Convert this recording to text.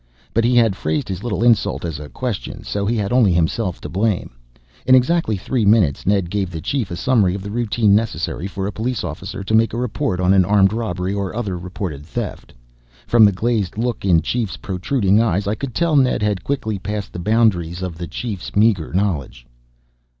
But he had phrased his little insult as a question so he had only himself to blame. In exactly three minutes Ned gave the Chief a summary of the routine necessary for a police officer to make a report on an armed robbery or other reported theft. From the glazed look in Chief's protruding eyes I could tell Ned had quickly passed the boundaries of the Chief's meager knowledge.